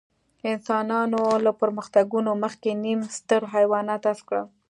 انسانانو له پرمختګونو مخکې نیم ستر حیوانات حذف کړل.